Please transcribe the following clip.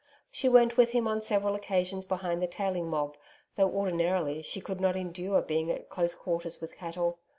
She went with him on several occasions behind the tailing mob, though ordinarily, she could not endure being at close quarters with cattle.